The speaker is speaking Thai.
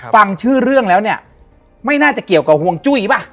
ฟังชื่อเรื่องแล้วเนี่ยไม่น่าจะเกี่ยวกับห่วงจุ้ยป่ะ